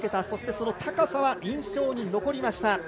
そしてその高さは印象に残りました。